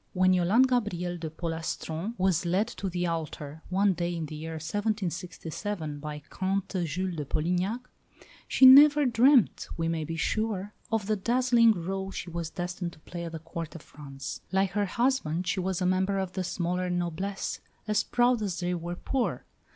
When Yolande Gabrielle de Polastron was led to the altar, one day in the year 1767, by Comte Jules de Polignac, she never dreamt, we may be sure, of the dazzling rôle she was destined to play at the Court of France. Like her husband, she was a member of the smaller noblesse, as proud as they were poor.